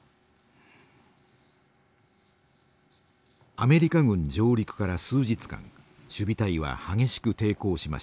アメリカ軍上陸から数日間守備隊は激しく抵抗しました。